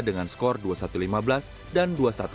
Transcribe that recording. dengan skor dua puluh satu lima belas dan dua puluh satu tujuh belas